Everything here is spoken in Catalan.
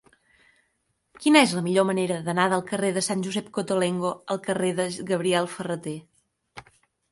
Quina és la millor manera d'anar del carrer de Sant Josep Cottolengo al carrer de Gabriel Ferrater?